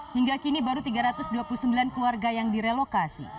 hingga kini baru tiga ratus dua puluh sembilan keluarga yang direlokasi